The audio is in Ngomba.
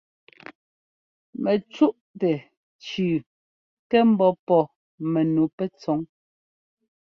Mɛcúꞌtɛ tsʉʉ kɛ́ ḿbɔ́ pɔ́ mɛnu pɛtsɔ́ŋ.